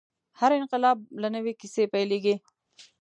هر انقلاب له نوې کیسې پیلېږي.